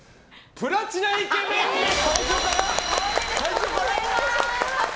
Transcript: プラチナイケメンです。